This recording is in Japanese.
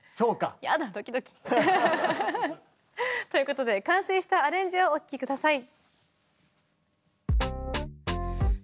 やだドキドキ。ということで完成したアレンジをお聴き下さい。